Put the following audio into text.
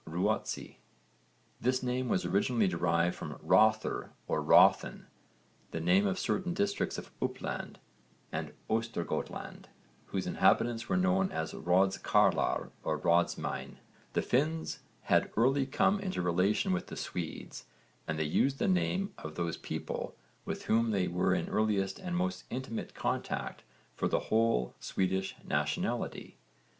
Ruotsi. This name was originally derived from Roþr or Roþin, the name of certain districts of Upland and Östergötland, whose inhabitants were known as Rods karlar or Rods mæn. The Finns had early come into relation with the Swedes and they used the name of those people with whom they were in earliest and most intimate contact for the whole Swedish nationality.